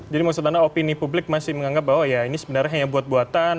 jadi maksud anda opini publik masih menganggap bahwa ya ini sebenarnya hanya buat buatan